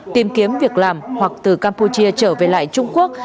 tìm kiếm việc làm hoặc từ campuchia trở về lại trung quốc